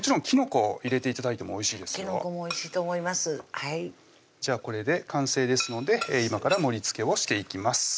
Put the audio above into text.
はいじゃあこれで完成ですので今から盛りつけをしていきます